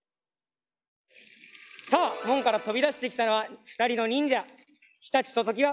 さあ門から飛び出してきたのは２人の忍者常陸と常磐。